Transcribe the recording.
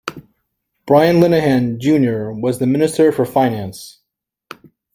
Brian Lenihan, Junior was the Minister for Finance.